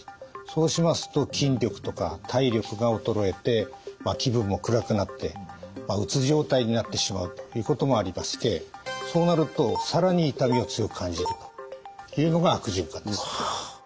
そうしますと筋力とか体力が衰えて気分も暗くなってうつ状態になってしまうということもありましてそうなると更に痛みを強く感じるというのが悪循環です。